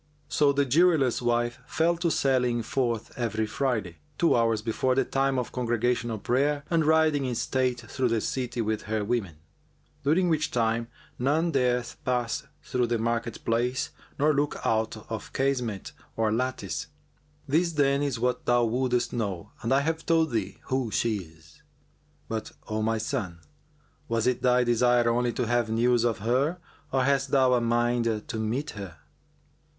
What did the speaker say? So the jeweller's wife fell to sallying forth every Friday, two hours before the time of congregational prayer, and riding in state through the city with her women; during which time none dareth pass through the market place nor look out of casement or lattice. This, then, is what thou wouldest know and I have told thee who she is; but, O my son, was it thy desire only to have news of her or hast thou a mind to meet her?"